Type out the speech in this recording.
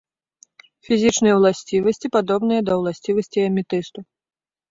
Фізічныя ўласцівасці падобныя да ўласцівасцей аметысту.